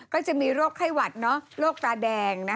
ก็จะมีโรคไข้หวัดโรคตาแดง